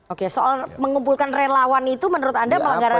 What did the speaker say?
oke soal mengumpulkan relawan itu menurut anda melanggaran apa